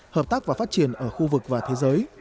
hợp tác và phát triển ở khu vực và thế giới